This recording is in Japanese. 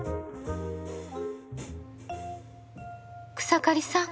草刈さん。